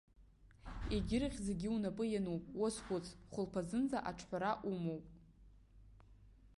Егьирахь зегьы унапы иануп, уазхәыц, хәылԥазынӡа аҿҳәара умоуп.